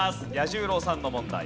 彌十郎さんの問題。